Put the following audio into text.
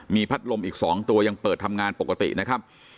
มีพัดลมอีก๒ตัวยังเปิดทำงานปกตินะครับ